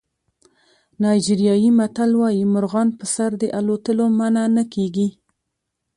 نایجریایي متل وایي مرغان په سر د الوتلو منع نه کېږي.